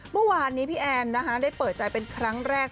เมื่อวานนี้พี่แอนได้เปิดใจเป็นครั้งแรก